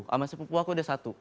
sama sepupu aku udah satu